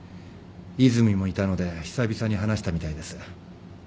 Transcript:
和泉もいたので久々に話したみたいです。